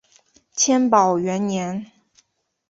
天宝元年。